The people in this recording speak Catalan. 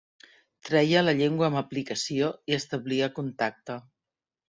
Treia la llengua amb aplicació i establia contacte.